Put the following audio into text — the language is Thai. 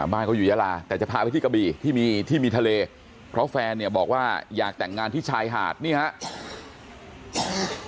บ้านเขาอยู่ยาลาแต่จะพาไปที่กะบี่ที่มีที่มีทะเลเพราะแฟนเนี่ยบอกว่าอยากแต่งงานที่ชายหาดนี่ครับ